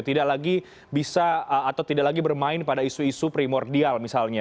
tidak lagi bisa atau tidak lagi bermain pada isu isu primordial misalnya